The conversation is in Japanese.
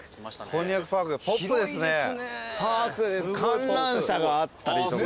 観覧車があったりとか。